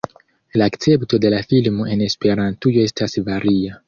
La akcepto de la filmo en Esperantujo estas varia.